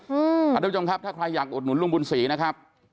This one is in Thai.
ท่านผู้ชมครับถ้าใครอยากอุดหนุนลุงบุญศรีนะครับ